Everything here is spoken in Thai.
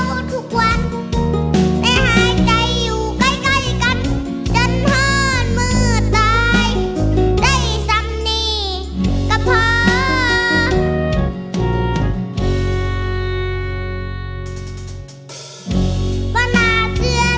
กี้วนดและคล่าหางอิราธิบาส์ให้บูนพาพาเขา